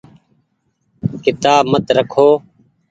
ڪيتآب مت رکو۔